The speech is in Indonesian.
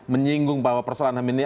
menyinggung bahwa persoalan ham di sini